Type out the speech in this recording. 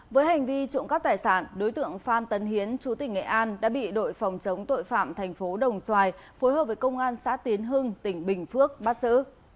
với hành vi trộm cắp tài sản đối tượng phan tấn hiến chú tỉnh nghệ an đã bị đội phòng chống tội phạm thành phố đồng xoài phối hợp với công an xã tiến hưng tỉnh bình phước bắt xử